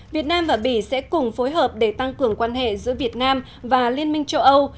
một mươi hai việt nam và bỉ sẽ cùng phối hợp để tăng cường quan hệ giữa việt nam và liên minh châu âu